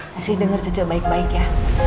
masih denger cuaca baiknya